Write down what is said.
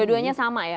dua duanya sama ya